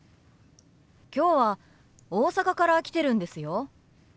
今日は大阪から来てるんですよ。